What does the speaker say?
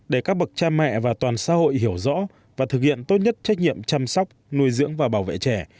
để các bậc cha mẹ và toàn xã hội hiểu rõ và thực hiện tốt nhất trách nhiệm chăm sóc nuôi dưỡng và bảo vệ trẻ